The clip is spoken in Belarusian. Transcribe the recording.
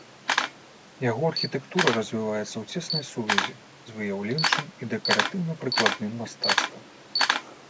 Яго архітэктура развіваецца ў цеснай сувязі з выяўленчым і дэкаратыўна-прыкладным мастацтвам.